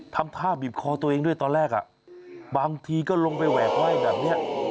ทำท่าบีบคอตัวเองด้วยตอนแรกบางทีก็ลงไปแหวกไหว้แบบนี้